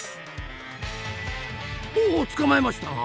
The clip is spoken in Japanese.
おおっ捕まえましたな！